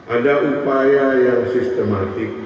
ada upaya yang sistematik